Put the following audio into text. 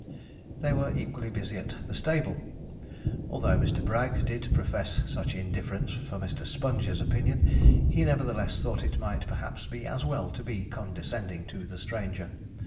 They were equally busy at the stable. Although Mr. Bragg did profess such indifference for Mr. Sponge's opinion, he nevertheless thought it might perhaps be as well to be condescending to the stranger.